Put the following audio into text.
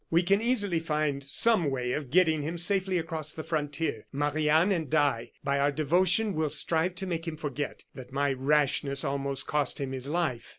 We can easily find some way of getting him safely across the frontier. Marie Anne and I, by our devotion, will strive to make him forget that my rashness almost cost him his life.